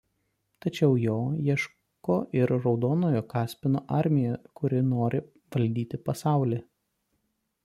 Tačiau jo ieško ir Raudonojo kaspino armija kuri nori valdyti pasaulį.